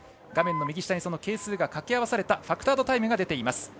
画面右下に係数が掛け合わされたファクタードタイムが出ています。